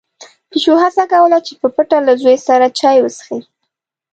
پيشو هڅه کوله چې په پټه له وزې سره چای وڅښي.